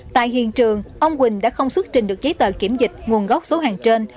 tại hiện trường ông quỳnh đã không xuất trình được giấy tờ kiểm dịch nguồn gốc số hàng trên